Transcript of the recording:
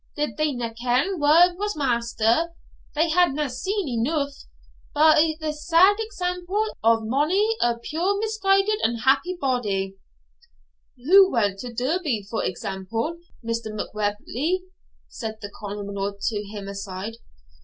did they na ken wha was master? had they na seen eneugh, by the sad example of mony a puir misguided unhappy body ' 'Who went to Derby, for example, Mr. Macwheeble?' said the Colonel to him aside.